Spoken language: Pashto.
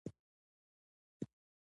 دا د لمر راختل ډېر ښکلی دي.